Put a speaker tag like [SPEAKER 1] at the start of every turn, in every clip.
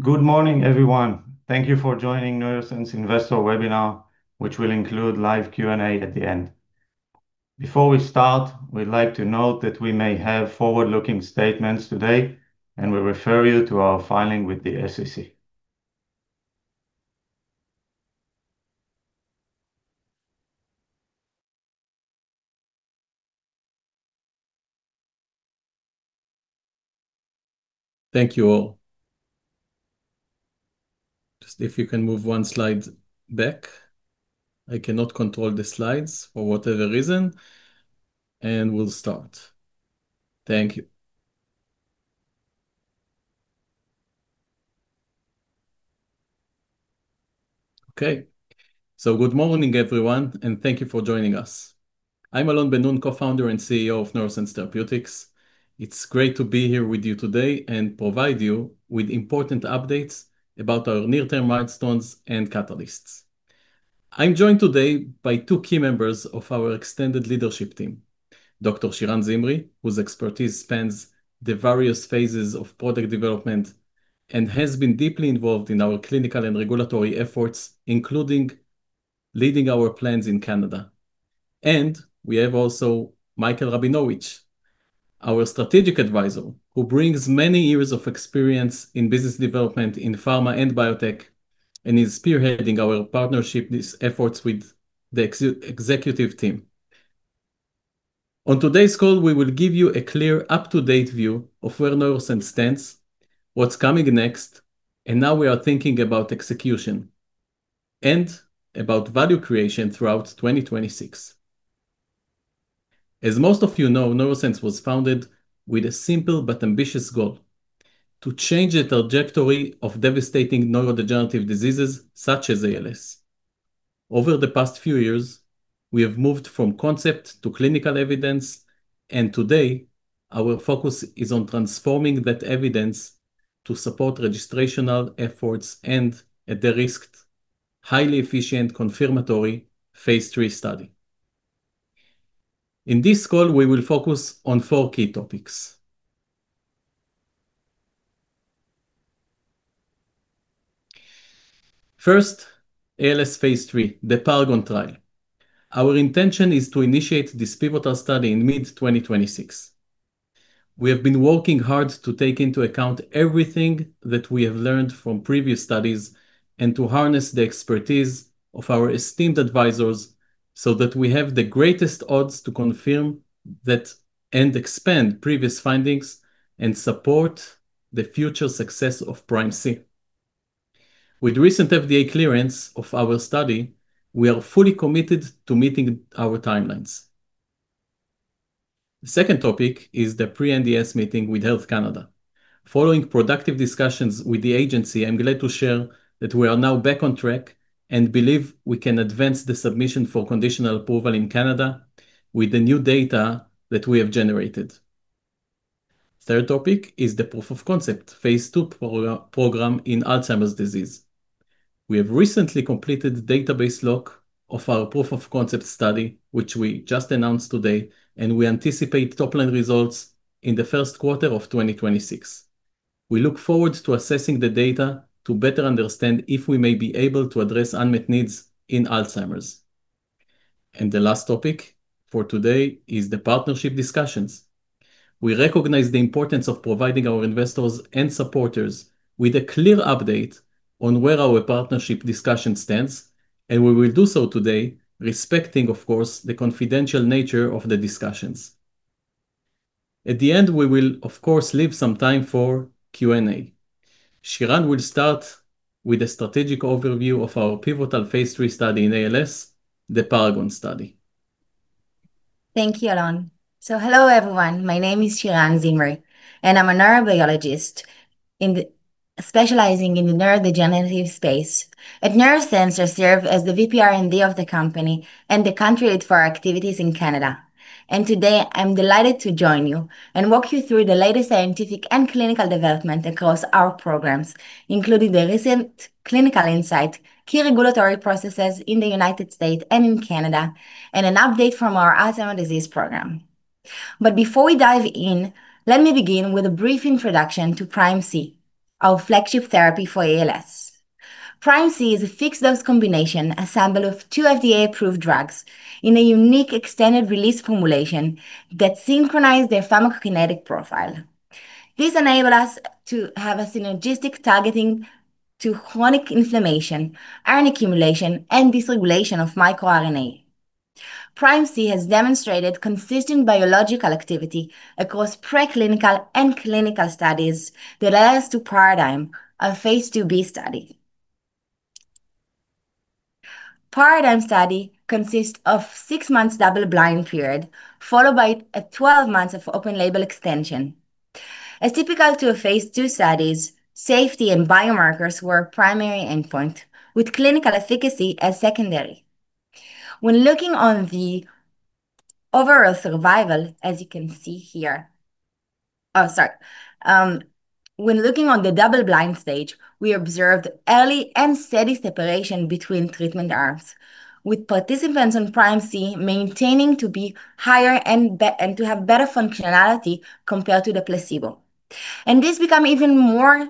[SPEAKER 1] Good morning, everyone. Thank you for joining NeuroSense Investor Webinar, which will include live Q&A at the end. Before we start, we'd like to note that we may have forward-looking statements today, and we refer you to our filing with the SEC.
[SPEAKER 2] Thank you all. Just if you can move one slide back. I cannot control the slides for whatever reason, and we'll start. Thank you. Okay, so good morning, everyone, and thank you for joining us. I'm Alon Ben-Noon, Co-founder and CEO of NeuroSense Therapeutics. It's great to be here with you today and provide you with important updates about our near-term milestones and catalysts. I'm joined today by two key members of our extended leadership team, Dr. Shiran Zimri, whose expertise spans the various phases of product development and has been deeply involved in our clinical and regulatory efforts, including leading our plans in Canada, and we have also Michael Rabinowitz, our Strategic Advisor, who brings many years of experience in business development in pharma and biotech, and is spearheading our partnership efforts with the executive team. On today's call, we will give you a clear, up-to-date view of where NeuroSense stands, what's coming next, and how we are thinking about execution and about value creation throughout 2026. As most of you know, NeuroSense was founded with a simple but ambitious goal: to change the trajectory of devastating neurodegenerative diseases such as ALS. Over the past few years, we have moved from concept to clinical evidence, and today our focus is on transforming that evidence to support registrational efforts and a de-risked, highly efficient confirmatory phase III study. In this call, we will focus on four key topics. First, ALS phase III, the PARAGON trial. Our intention is to initiate this pivotal study in mid-2026. We have been working hard to take into account everything that we have learned from previous studies and to harness the expertise of our esteemed advisors so that we have the greatest odds to confirm and expand previous findings and support the future success of PrimeC. With recent FDA clearance of our study, we are fully committed to meeting our timelines. The second topic is the pre-NDS meeting with Health Canada. Following productive discussions with the agency, I'm glad to share that we are now back on track and believe we can advance the submission for conditional approval in Canada with the new data that we have generated. The third topic is the proof of concept phase II program in Alzheimer's disease. We have recently completed the database lock of our proof of concept study, which we just announced today, and we anticipate top-line results in the first quarter of 2026. We look forward to assessing the data to better understand if we may be able to address unmet needs in Alzheimer's. And the last topic for today is the partnership discussions. We recognize the importance of providing our investors and supporters with a clear update on where our partnership discussion stands, and we will do so today, respecting, of course, the confidential nature of the discussions. At the end, we will, of course, leave some time for Q&A. Shiran will start with a strategic overview of our pivotal phase III study in ALS, the PARAGON study.
[SPEAKER 3] Thank you, Alon. Hello, everyone. My name is Shiran Zimri, and I'm a neurobiologist specializing in the neurodegenerative space. At NeuroSense, I serve as the VP R&D of the company and the country lead for our activities in Canada. Today, I'm delighted to join you and walk you through the latest scientific and clinical development across our programs, including the recent clinical insight, key regulatory processes in the United States and in Canada, and an update from our Alzheimer's disease program. Before we dive in, let me begin with a brief introduction to Prime C, our flagship therapy for ALS. PrimeC is a fixed-dose combination assembled of two FDA-approved drugs in a unique extended-release formulation that synchronizes their pharmacokinetic profile. This enables us to have a synergistic targeting to chronic inflammation, iron accumulation, and dysregulation of microRNA. PrimeC has demonstrated consistent biological activity across preclinical and clinical studies that allows us to PARADIGM a phase II-B study. The PARADIGM study consists of a six-month double-blind period followed by 12 months of open-label extension. As typical to phase II studies, safety and biomarkers were a primary endpoint, with clinical efficacy as secondary. When looking at the overall survival, as you can see here, oh, sorry, when looking at the double-blind stage, we observed early and steady separation between treatment arms, with participants on PrimeC maintaining to be higher and to have better functionality compared to the placebo. And this becomes even more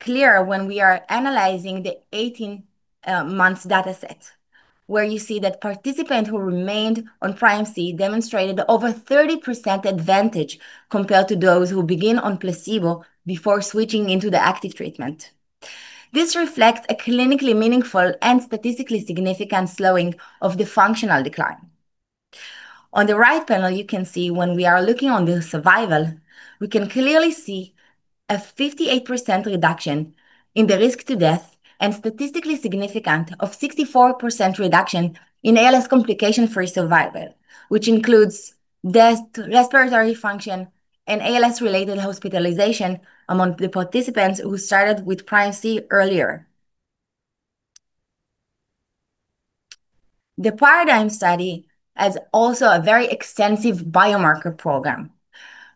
[SPEAKER 3] clear when we are analyzing the 18-month data set, where you see that participants who remained on PrimeC demonstrated over a 30% advantage compared to those who began on placebo before switching into the active treatment. This reflects a clinically meaningful and statistically significant slowing of the functional decline. On the right panel, you can see when we are looking at the survival, we can clearly see a 58% reduction in the risk to death and statistically significant 64% reduction in ALS complication-free survival, which includes death, respiratory function, and ALS-related hospitalization among the participants who started with PrimeC earlier. The PARADIGM study has also a very extensive biomarker program,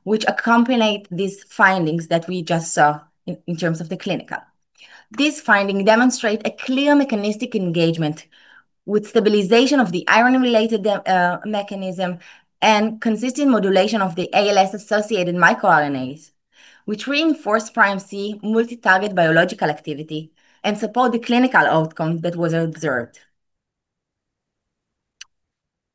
[SPEAKER 3] which accompanies these findings that we just saw in terms of the clinical. This finding demonstrates a clear mechanistic engagement with stabilization of the iron-related mechanism and consistent modulation of the ALS-associated microRNAs, which reinforce PrimeC's multi-target biological activity and support the clinical outcome that was observed.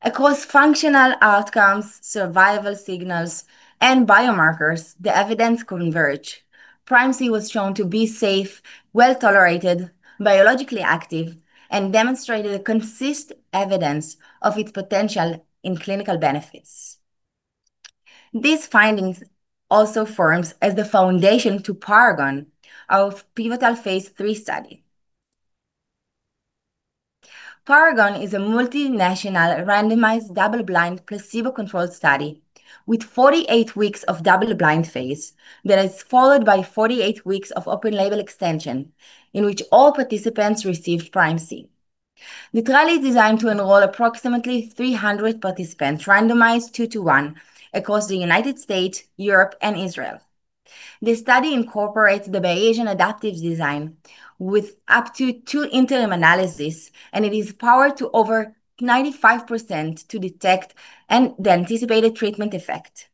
[SPEAKER 3] Across functional outcomes, survival signals, and biomarkers, the evidence converged. PrimeC was shown to be safe, well-tolerated, biologically active, and demonstrated consistent evidence of its potential in clinical benefits. These findings also form the foundation for the PARAGON pivotal phase III study. PARAGON is a multinational randomized double-blind placebo-controlled study with 48 weeks of double-blind phase that is followed by 48 weeks of open-label extension, in which all participants received PrimeC. The trial is designed to enroll approximately 300 participants randomized two-to-one across the United States, Europe, and Israel. The study incorporates the Bayesian adaptive design with up to two interim analyses, and it is powered to over 95% to detect the anticipated treatment effect.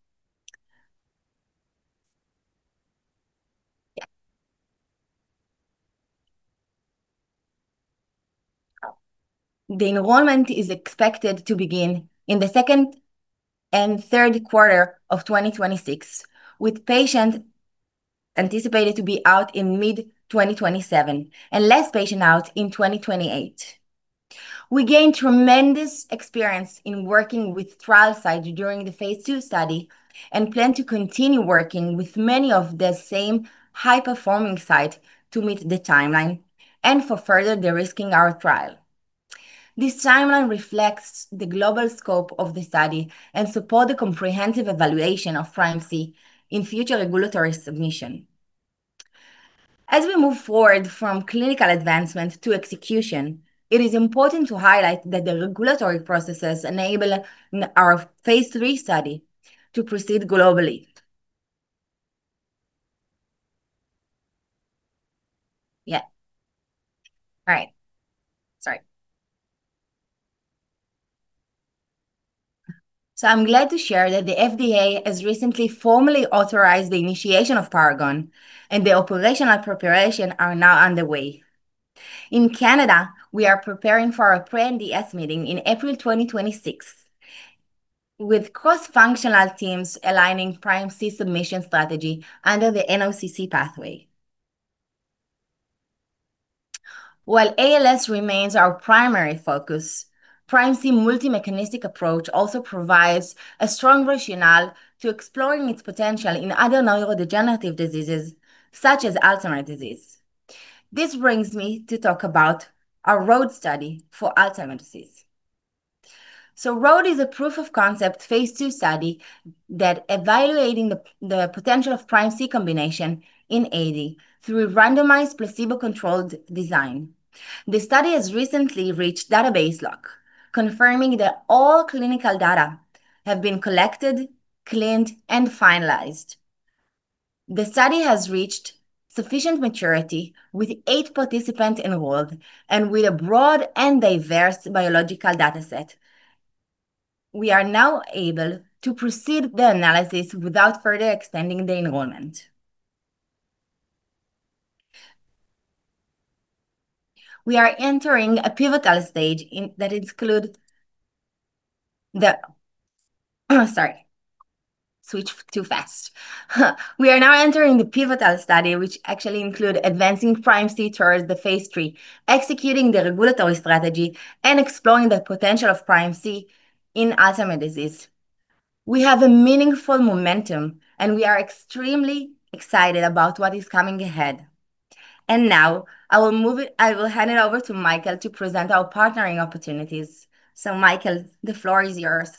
[SPEAKER 3] The enrollment is expected to begin in the second and third quarter of 2026, with patients anticipated to be out in mid-2027 and less patients out in 2028. We gained tremendous experience in working with trial sites during the phase II study and plan to continue working with many of the same high-performing sites to meet the timeline and further de-risking our trial. This timeline reflects the global scope of the study and supports the comprehensive evaluation of PrimeC in future regulatory submission. As we move forward from clinical advancement to execution, it is important to highlight that the regulatory processes enable our phase III study to proceed globally. Yeah. All right. Sorry, so I'm glad to share that the FDA has recently formally authorized the initiation of PARAGON, and the operational preparations are now underway. In Canada, we are preparing for our pre-NDS meeting in April 2026, with cross-functional teams aligning PrimeC's submission strategy under the NOC/c pathway. While ALS remains our primary focus, PrimeC's multi-mechanistic approach also provides a strong rationale for exploring its potential in other neurodegenerative diseases such as Alzheimer's disease. This brings me to talk about our RoAD study for Alzheimer's disease. So RoAD is a proof of concept phase II study that evaluates the potential of PrimeC combination in AD through randomized placebo-controlled design. The study has recently reached database lock, confirming that all clinical data have been collected, cleaned, and finalized. The study has reached sufficient maturity with eight participants enrolled and with a broad and diverse biological data set. We are now able to proceed with the analysis without further extending the enrollment. We are entering a pivotal stage that includes the. Sorry, switched too fast. We are now entering the pivotal study, which actually includes advancing PrimeC towards the phase III, executing the regulatory strategy, and exploring the potential of PrimeC in Alzheimer's disease. We have a meaningful momentum, and we are extremely excited about what is coming ahead, and now, I will hand it over to Michael to present our partnering opportunities, so Michael, the floor is yours.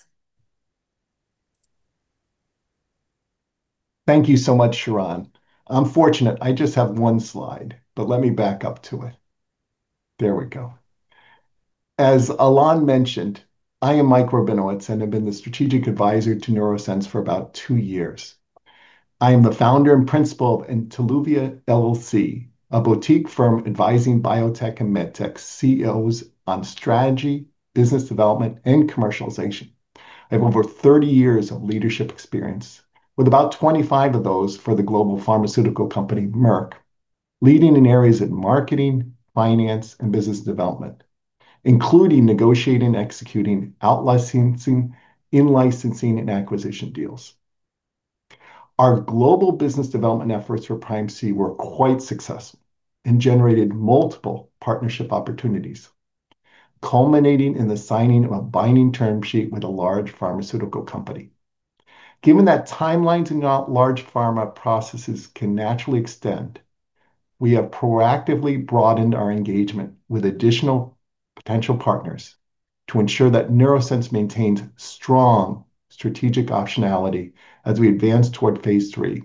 [SPEAKER 4] Thank you so much, Shiran. I'm fortunate I just have one slide, but let me back up to it. There we go. As Alon mentioned, I am Michael Rabinowitz and have been the Strategic Advisor to NeuroSense for about two years. I am the founder and principal of Entelluvia LLC, a boutique firm advising biotech and med tech CEOs on strategy, business development, and commercialization. I have over 30 years of leadership experience, with about 25 of those for the global pharmaceutical company Merck, leading in areas of marketing, finance, and business development, including negotiating and executing outlicensing, in-licensing, and acquisition deals. Our global business development efforts for PrimeC were quite successful and generated multiple partnership opportunities, culminating in the signing of a binding term sheet with a large pharmaceutical company. Given that timelines in large pharma processes can naturally extend, we have proactively broadened our engagement with additional potential partners to ensure that NeuroSense maintains strong strategic optionality as we advance toward phase III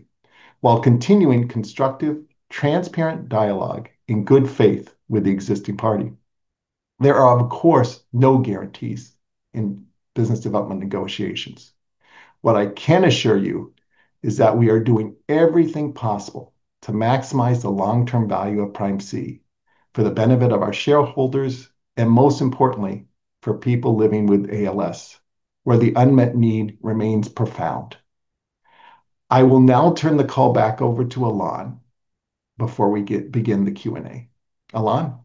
[SPEAKER 4] while continuing constructive, transparent dialogue in good faith with the existing party. There are, of course, no guarantees in business development negotiations. What I can assure you is that we are doing everything possible to maximize the long-term value of PrimeC for the benefit of our shareholders and, most importantly, for people living with ALS, where the unmet need remains profound. I will now turn the call back over to Alon before we begin the Q&A. Alon?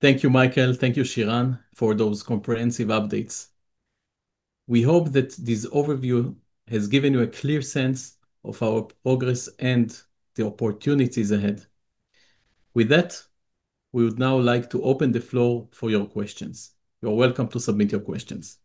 [SPEAKER 2] Thank you, Michael. Thank you, Shiran, for those comprehensive updates. We hope that this overview has given you a clear sense of our progress and the opportunities ahead. With that, we would now like to open the floor for your questions. You're welcome to submit your questions.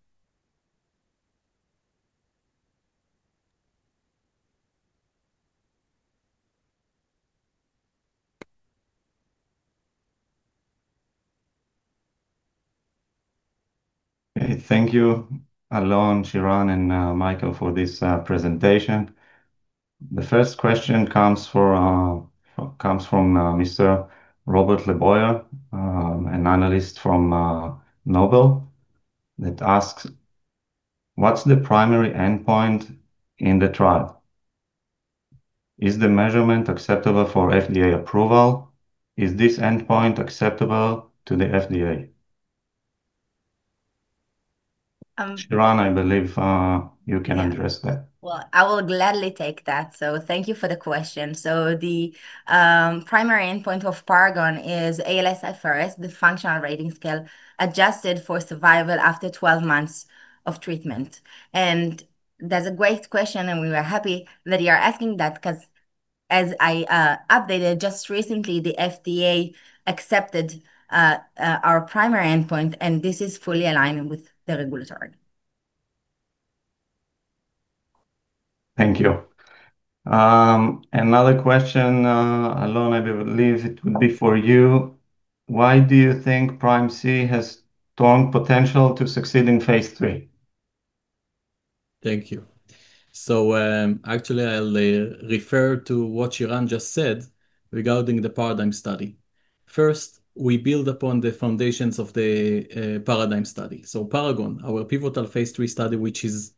[SPEAKER 1] Okay. Thank you, Alon, Shiran, and Michael for this presentation. The first question comes from Mr. Robert LeBoyer, an analyst from Noble, that asks, "What's the primary endpoint in the trial? Is the measurement acceptable for FDA approval? Is this endpoint acceptable to the FDA?" Shiran, I believe you can address that.
[SPEAKER 3] I will gladly take that. Thank you for the question. The primary endpoint of PARAGON is ALSFRS, the functional rating scale adjusted for survival after 12 months of treatment. That's a great question, and we were happy that you are asking that because, as I updated just recently, the FDA accepted our primary endpoint, and this is fully aligned with the regulatory.
[SPEAKER 1] Thank you. Another question, Alon, I believe it would be for you. Why do you think PrimeC has strong potential to succeed in phase III?
[SPEAKER 2] Thank you, so actually, I'll refer to what Shiran just said regarding the PARADIGM study. First, we build upon the foundations of the PARADIGM study, so PARAGON, our pivotal phase III study, which is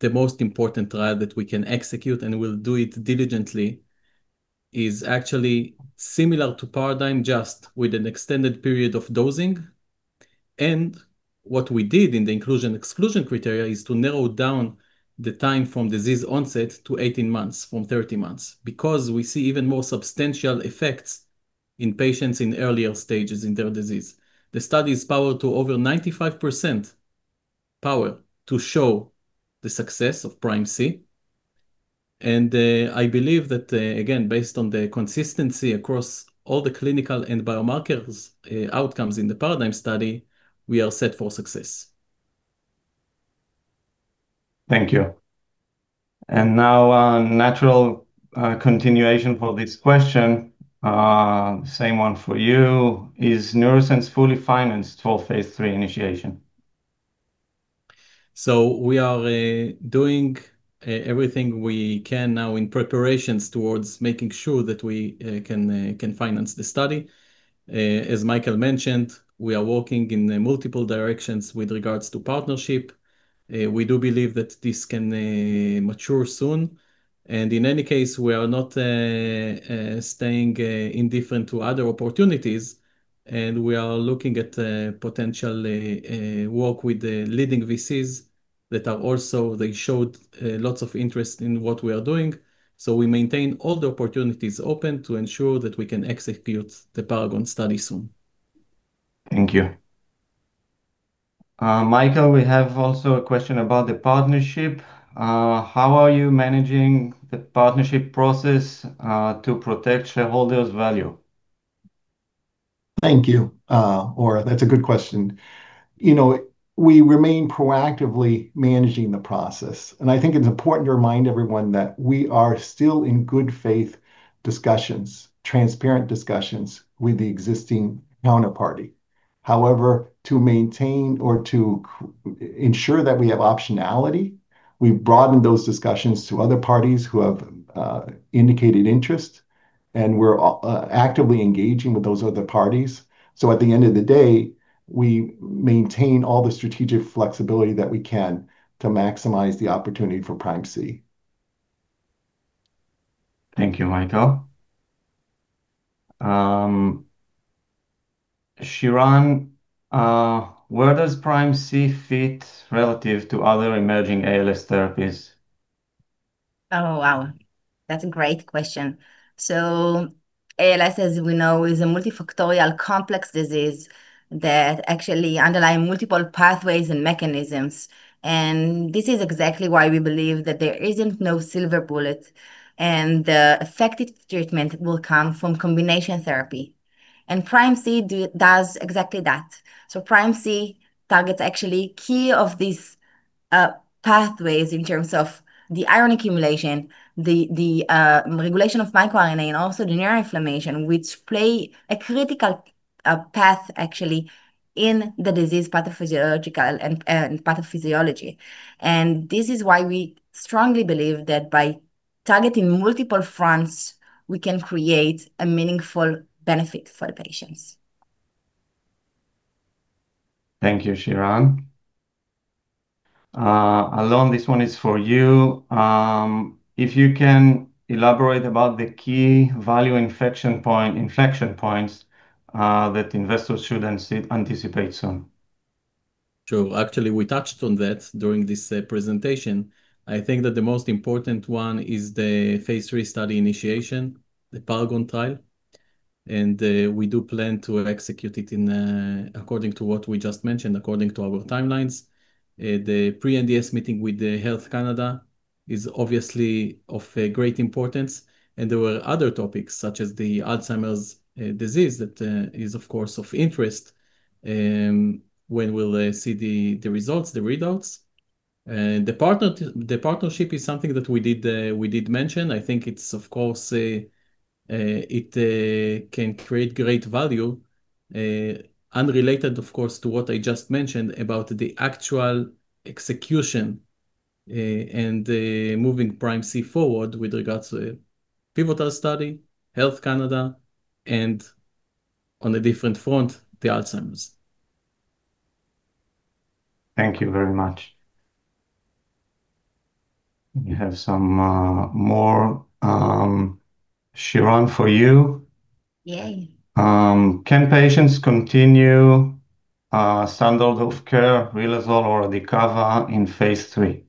[SPEAKER 2] the most important trial that we can execute and will do it diligently, is actually similar to PARADIGM, just with an extended period of dosing, and what we did in the inclusion-exclusion criteria is to narrow down the time from disease onset to 18 months from 30 months because we see even more substantial effects in patients in earlier stages in their disease. The study is powered to over 95% power to show the success of PrimeC, and I believe that, again, based on the consistency across all the clinical and biomarker outcomes in the PARADIGM study, we are set for success.
[SPEAKER 1] Thank you. And now a natural continuation for this question, the same one for you. Is NeuroSense fully financed for phase III initiation?
[SPEAKER 2] We are doing everything we can now in preparations towards making sure that we can finance the study. As Michael mentioned, we are working in multiple directions with regards to partnership. We do believe that this can mature soon. In any case, we are not staying indifferent to other opportunities, and we are looking at potential work with the leading VCs, they showed lots of interest in what we are doing. We maintain all the opportunities open to ensure that we can execute the PARAGON study soon.
[SPEAKER 1] Thank you. Michael, we have also a question about the partnership. How are you managing the partnership process to protect shareholders' value?
[SPEAKER 4] Thank you, Orazio. That's a good question. You know, we remain proactively managing the process. And I think it's important to remind everyone that we are still in good faith discussions, transparent discussions with the existing counterparty. However, to maintain or to ensure that we have optionality, we broaden those discussions to other parties who have indicated interest, and we're actively engaging with those other parties. So at the end of the day, we maintain all the strategic flexibility that we can to maximize the opportunity for PrimeC.
[SPEAKER 1] Thank you, Michael. Shiran, where does PrimeC fit relative to other emerging ALS therapies?
[SPEAKER 3] Oh, wow. That's a great question, so ALS, as we know, is a multifactorial complex disease that actually underlies multiple pathways and mechanisms, and this is exactly why we believe that there isn't no silver bullet, and the effective treatment will come from combination therapy, and PrimeC does exactly that, so PrimeC targets actually key of these pathways in terms of the iron accumulation, the regulation of microRNA, and also the neuroinflammation, which play a critical path actually in the disease pathophysiology and pathophysiology, and this is why we strongly believe that by targeting multiple fronts, we can create a meaningful benefit for the patients.
[SPEAKER 1] Thank you, Shiran. Alon, this one is for you. If you can elaborate about the key value inflection points that investors should anticipate soon.
[SPEAKER 2] True. Actually, we touched on that during this presentation. I think that the most important one is the phase III study initiation, the PARAGON trial. And we do plan to execute it according to what we just mentioned, according to our timelines. The pre-NDS meeting with Health Canada is obviously of great importance. And there were other topics, such as the Alzheimer's disease, that is, of course, of interest when we'll see the results, the readouts. The partnership is something that we did mention. I think it's, of course, it can create great value, unrelated, of course, to what I just mentioned about the actual execution and moving PrimeC forward with regards to the pivotal study, Health Canada, and on a different front, the Alzheimer's.
[SPEAKER 1] Thank you very much. We have some more. Shiran, for you.
[SPEAKER 3] Yay.
[SPEAKER 1] Can patients continue standard of care, Riluzole, or Radicava in phase III?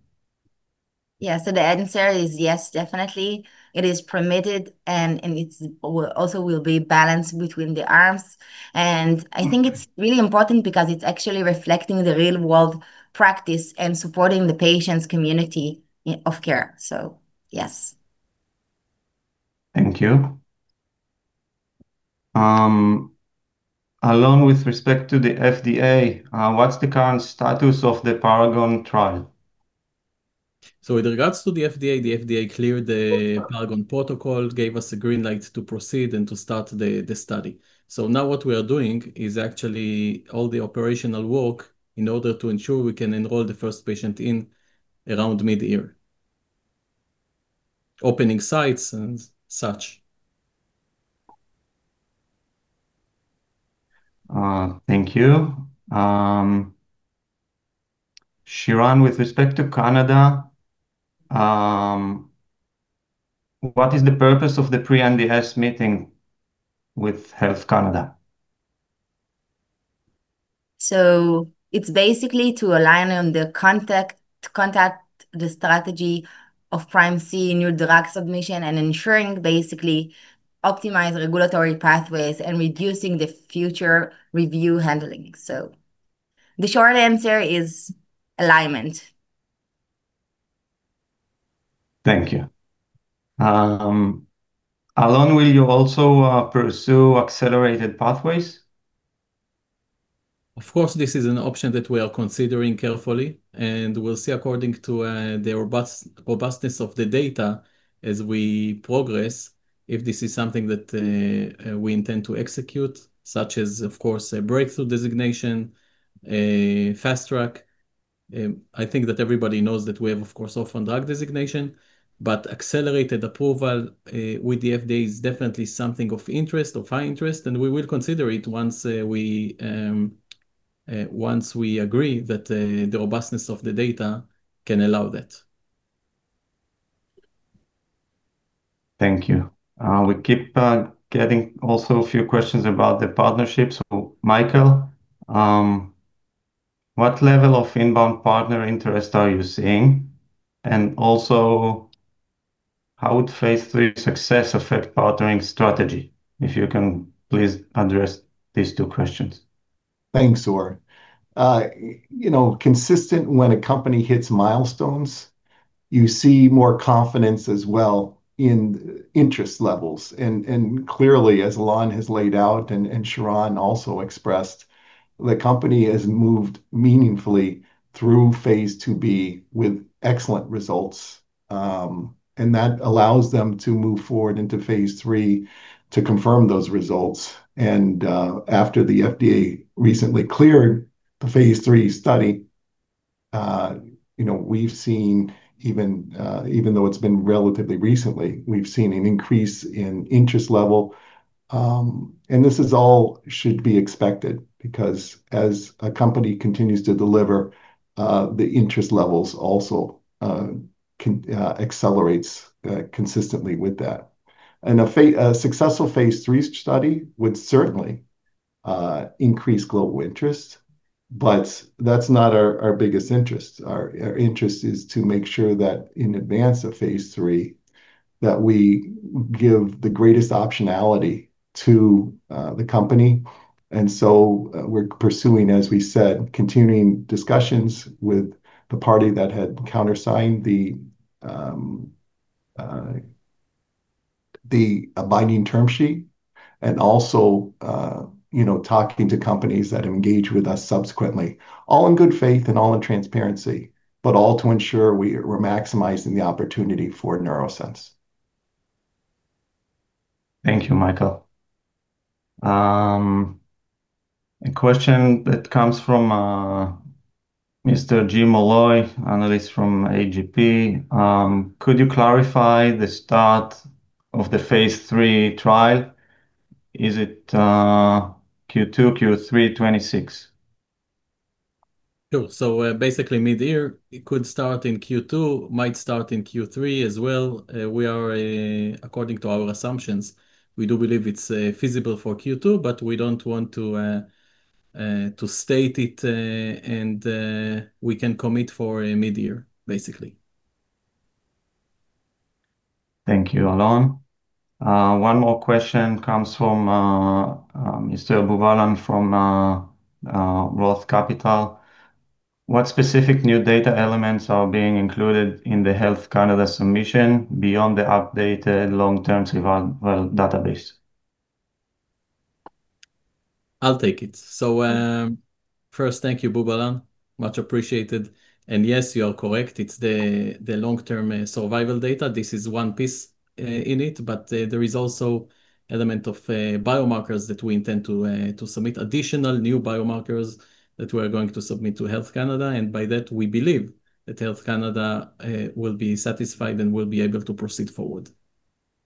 [SPEAKER 3] Yeah. So the answer is yes, definitely. It is permitted, and it also will be balanced between the arms. And I think it's really important because it's actually reflecting the real-world practice and supporting the patient's community of care. So yes.
[SPEAKER 1] Thank you. Alon, with respect to the FDA, what's the current status of the PARAGON trial?
[SPEAKER 2] With regards to the FDA, the FDA cleared the PARAGON protocol, gave us a green light to proceed and to start the study. Now what we are doing is actually all the operational work in order to ensure we can enroll the first patient in around mid-year, opening sites and such.
[SPEAKER 1] Thank you. Shiran, with respect to Canada, what is the purpose of the pre-NDS meeting with Health Canada?
[SPEAKER 3] So it's basically to align on the content strategy of PrimeC, new drug submission, and ensuring basically optimized regulatory pathways and reducing the future review handling. So the short answer is alignment.
[SPEAKER 1] Thank you. Alon, will you also pursue accelerated pathways?
[SPEAKER 2] Of course, this is an option that we are considering carefully, and we'll see according to the robustness of the data as we progress if this is something that we intend to execute, such as, of course, a breakthrough designation, fast track. I think that everybody knows that we have, of course, orphan drug designation, but accelerated approval with the FDA is definitely something of interest, of high interest, and we will consider it once we agree that the robustness of the data can allow that.
[SPEAKER 1] Thank you. We keep getting also a few questions about the partnership. So Michael, what level of inbound partner interest are you seeing? And also, how would phase III success affect partnering strategy? If you can please address these two questions.
[SPEAKER 4] Thanks, Ora. You know, consistent when a company hits milestones, you see more confidence as well in interest levels. And clearly, as Alon has laid out and Shiran also expressed, the company has moved meaningfully through phase IIB with excellent results. And that allows them to move forward into phase III to confirm those results. And after the FDA recently cleared the phase III study, you know, we've seen, even though it's been relatively recently, we've seen an increase in interest level. And this is all should be expected because as a company continues to deliver, the interest levels also accelerate consistently with that. And a successful phase III study would certainly increase global interest, but that's not our biggest interest. Our interest is to make sure that in advance of phase III, that we give the greatest optionality to the company. And so we're pursuing, as we said, continuing discussions with the party that had countersigned the binding term sheet and also, you know, talking to companies that engage with us subsequently, all in good faith and all in transparency, but all to ensure we're maximizing the opportunity for NeuroSense Therapeutics.
[SPEAKER 1] Thank you, Michael. A question that comes from Mr. Jim Malloy, analyst from AGP. Could you clarify the start of the phase III trial? Is it Q2, Q3, 2026?
[SPEAKER 2] True. So basically, mid-year, it could start in Q2, might start in Q3 as well. We are, according to our assumptions, we do believe it's feasible for Q2, but we don't want to state it, and we can commit for mid-year, basically.
[SPEAKER 1] Thank you, Alon. One more question comes from Mr. Boobalan from Roth Capital. What specific new data elements are being included in the Health Canada submission beyond the updated long-term survival database?
[SPEAKER 2] I'll take it. So first, thank you, Boobalan. Much appreciated. And yes, you are correct. It's the long-term survival data. This is one piece in it, but there is also an element of biomarkers that we intend to submit, additional new biomarkers that we are going to submit to Health Canada. And by that, we believe that Health Canada will be satisfied and will be able to proceed forward.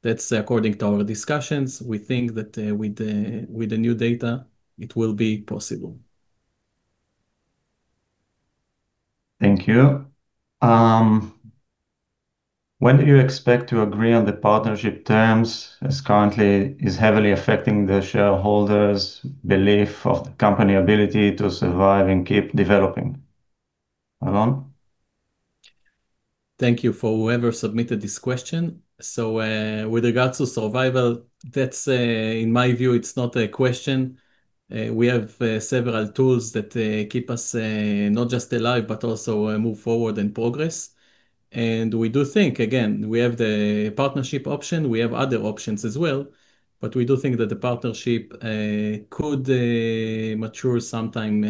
[SPEAKER 2] That's according to our discussions. We think that with the new data, it will be possible.
[SPEAKER 1] Thank you. When do you expect to agree on the partnership terms as currently is heavily affecting the shareholders' belief of the company's ability to survive and keep developing? Alon?
[SPEAKER 2] Thank you for whoever submitted this question. So with regards to survival, that's, in my view, it's not a question. We have several tools that keep us not just alive, but also move forward and progress. And we do think, again, we have the partnership option. We have other options as well. But we do think that the partnership could mature sometime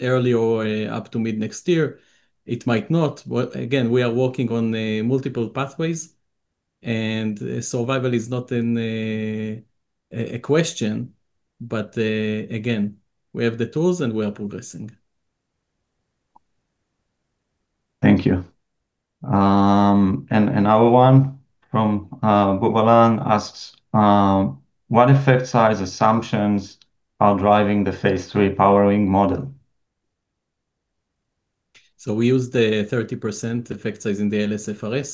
[SPEAKER 2] early or up to mid next year. It might not. Again, we are working on multiple pathways, and survival is not a question. But again, we have the tools, and we are progressing.
[SPEAKER 1] Thank you. And another one from Boobalan asks, what effect size assumptions are driving the phase III powering model?
[SPEAKER 2] We use the 30% effect size in the ALSFRS,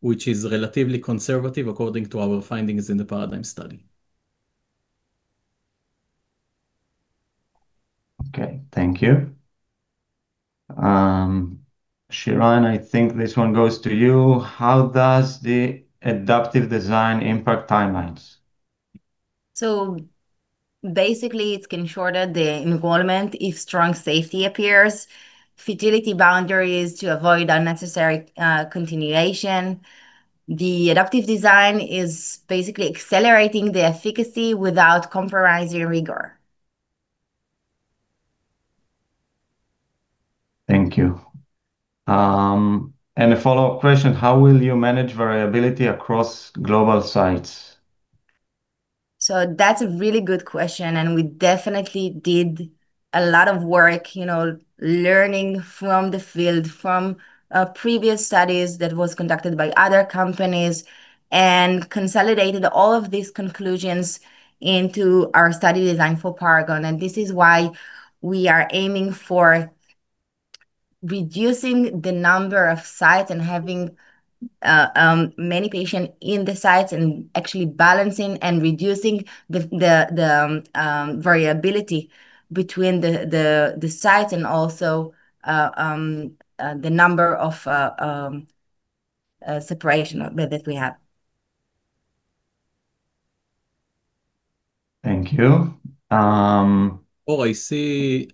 [SPEAKER 2] which is relatively conservative according to our findings in the PARADIGM study.
[SPEAKER 1] Okay. Thank you. Shiran, I think this one goes to you. How does the adaptive design impact timelines?
[SPEAKER 3] So basically, it can shorten the involvement if strong safety appears, futility boundaries to avoid unnecessary continuation. The adaptive design is basically accelerating the efficacy without compromising rigor.
[SPEAKER 1] Thank you, and a follow-up question. How will you manage variability across global sites?
[SPEAKER 3] So that's a really good question. And we definitely did a lot of work, you know, learning from the field, from previous studies that were conducted by other companies, and consolidated all of these conclusions into our study design for PARAGON. And this is why we are aiming for reducing the number of sites and having many patients in the sites and actually balancing and reducing the variability between the sites and also the number of separation that we have.
[SPEAKER 1] Thank you.
[SPEAKER 2] Oh, I see.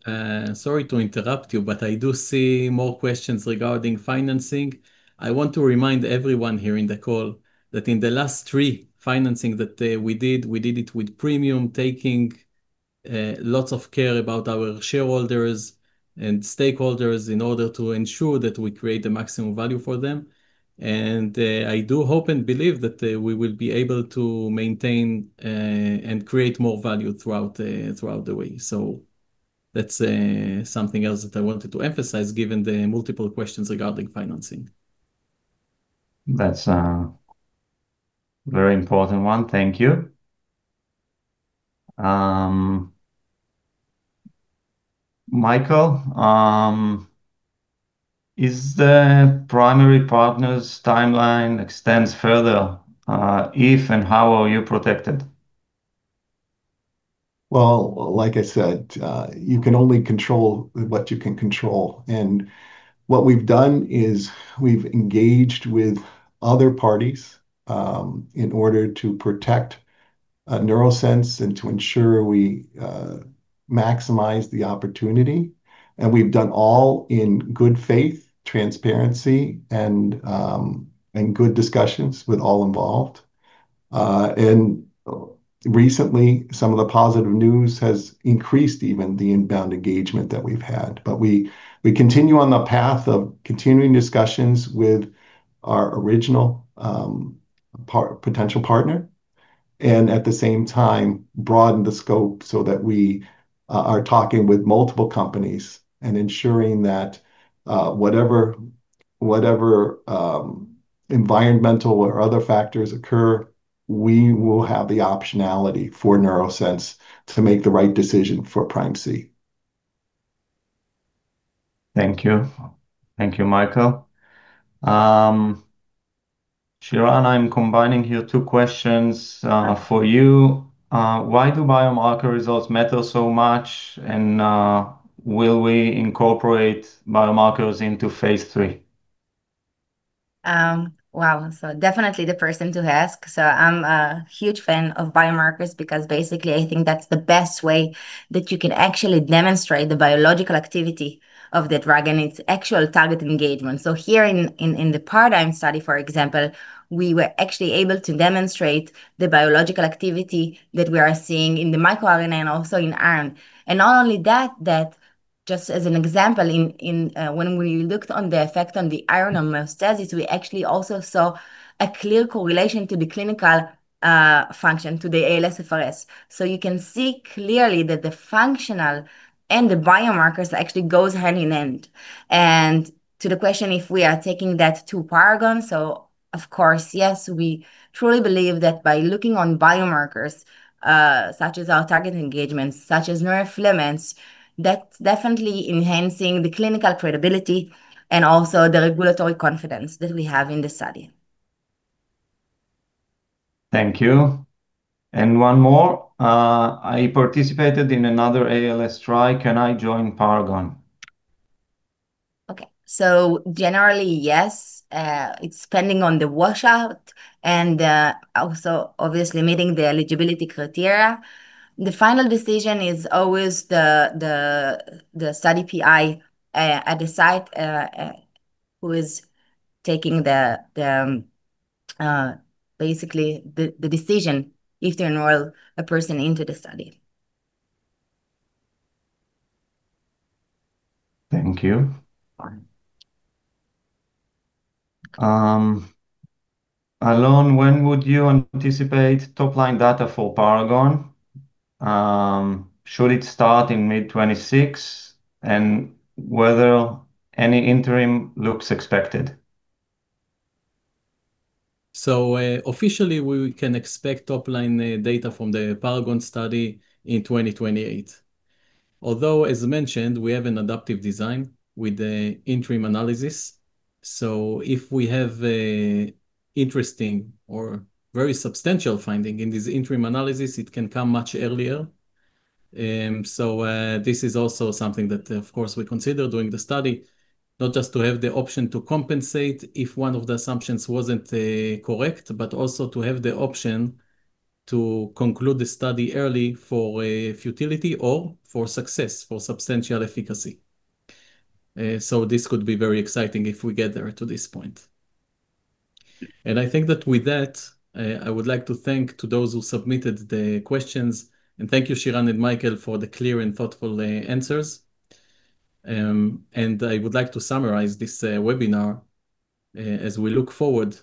[SPEAKER 2] Sorry to interrupt you, but I do see more questions regarding financing. I want to remind everyone here in the call that in the last three financing that we did, we did it with premium, taking lots of care about our shareholders and stakeholders in order to ensure that we create the maximum value for them. And I do hope and believe that we will be able to maintain and create more value throughout the way. So that's something else that I wanted to emphasize given the multiple questions regarding financing.
[SPEAKER 1] That's a very important one. Thank you. Michael, is the primary partner's timeline extend further? If and how are you protected?
[SPEAKER 4] Like I said, you can only control what you can control. What we've done is we've engaged with other parties in order to protect NeuroSense and to ensure we maximize the opportunity. We've done all in good faith, transparency, and good discussions with all involved. Recently, some of the positive news has increased even the inbound engagement that we've had. We continue on the path of continuing discussions with our original potential partner and at the same time, broaden the scope so that we are talking with multiple companies and ensuring that whatever environmental or other factors occur, we will have the optionality for NeuroSense to make the right decision for PrimeC.
[SPEAKER 1] Thank you. Thank you, Michael. Shiran, I'm combining here two questions for you. Why do biomarker results matter so much? And will we incorporate biomarkers into phase III?
[SPEAKER 3] Wow. So definitely the person to ask. So I'm a huge fan of biomarkers because basically, I think that's the best way that you can actually demonstrate the biological activity of the drug and its actual target engagement. So here in the PARADIGM study, for example, we were actually able to demonstrate the biological activity that we are seeing in the microRNA and also in iron. And not only that, that just as an example, when we looked on the effect on the iron homeostasis, we actually also saw a clear correlation to the clinical function to the ALSFRS. So you can see clearly that the functional and the biomarkers actually go hand in hand. To the question if we are taking that to PARAGON, so of course, yes, we truly believe that by looking on biomarkers such as our target engagement, such as neurofilaments, that's definitely enhancing the clinical credibility and also the regulatory confidence that we have in the study.
[SPEAKER 1] Thank you, and one more. I participated in another ALS trial. Can I join PARAGON?
[SPEAKER 3] Okay. So generally, yes. It's depending on the washout and also obviously meeting the eligibility criteria. The final decision is always the study PI at the site who is taking basically the decision if they enroll a person into the study.
[SPEAKER 1] Thank you. Alon, when would you anticipate top-line data for PARADIGM? Should it start in mid-2026? And whether any interim looks expected?
[SPEAKER 2] So officially, we can expect top-line data from the PARADIGM study in 2028. Although, as mentioned, we have an adaptive design with the interim analysis. So if we have an interesting or very substantial finding in this interim analysis, it can come much earlier. So this is also something that, of course, we consider during the study, not just to have the option to compensate if one of the assumptions wasn't correct, but also to have the option to conclude the study early for futility or for success, for substantial efficacy. So this could be very exciting if we get there to this point. And I think that with that, I would like to thank those who submitted the questions. And thank you, Shiran and Michael, for the clear and thoughtful answers. And I would like to summarize this webinar. As we look forward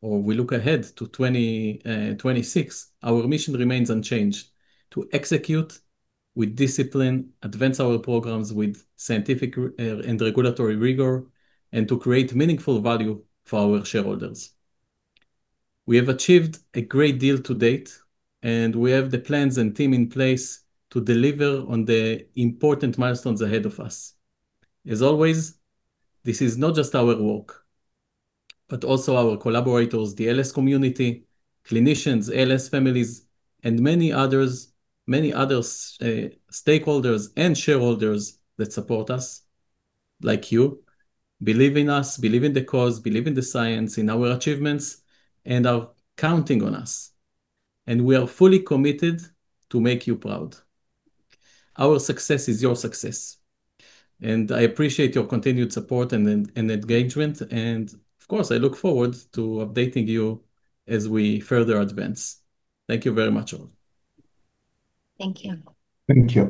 [SPEAKER 2] or we look ahead to 2026, our mission remains unchanged: to execute with discipline, advance our programs with scientific and regulatory rigor, and to create meaningful value for our shareholders. We have achieved a great deal to date, and we have the plans and team in place to deliver on the important milestones ahead of us. As always, this is not just our work, but also our collaborators, the LS community, clinicians, LS families, and many others, many other stakeholders and shareholders that support us, like you, believe in us, believe in the cause, believe in the science, in our achievements, and are counting on us. And we are fully committed to make you proud. Our success is your success. And I appreciate your continued support and engagement. And of course, I look forward to updating you as we further advance. Thank you very much, all.
[SPEAKER 3] Thank you.
[SPEAKER 4] Thank you.